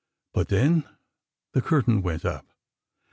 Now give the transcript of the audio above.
But then the curtain went up